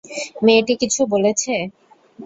মেয়েটি কিছু বলেছে?